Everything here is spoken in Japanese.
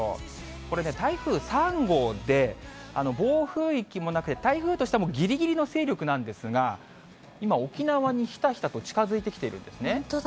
これね、台風３号で、暴風域もなくて、台風としてもぎりぎりの勢力なんですが、今、沖縄にひたひたと近本当だ。